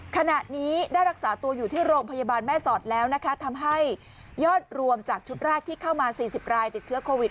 ขณะนี้ได้รักษาตัวอยู่ที่โรงพยาบาลแม่สอดแล้วนะคะทำให้ยอดรวมจากชุดแรกที่เข้ามา๔๐รายติดเชื้อโควิด